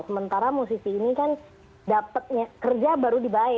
sementara musisi ini kan dapatnya kerja baru dibayar gitu